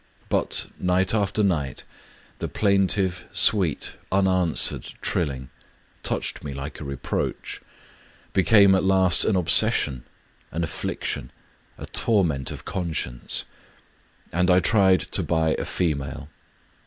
But, night after night, the plaintive, sweet, unanswered trill ing touched me like a reproach, — became at last an obsession, an affliction, a torment of conscience ; and I tried to buy a female.